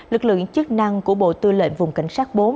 lực lượng chức năng của bộ tư lệnh vùng cảnh sát bốn